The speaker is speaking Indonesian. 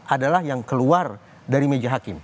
adalah yang keluar dari meja hakim